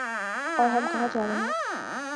اورہم کہاں جارہے ہیں؟